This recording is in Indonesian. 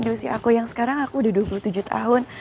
dosi aku yang sekarang aku udah dua puluh tujuh tahun